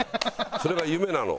それが夢なの。